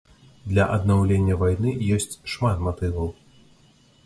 Для аднаўлення вайны ёсць шмат матываў.